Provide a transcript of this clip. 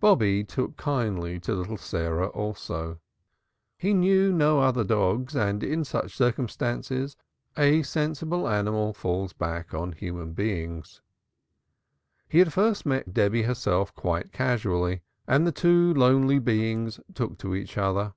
Bobby took kindly to little Sarah also. He knew no other dogs and in such circumstances a sensible animal falls back on human beings. He had first met Debby herself quite casually and the two lonely beings took to each other.